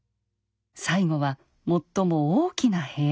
最後は最も大きな部屋へ。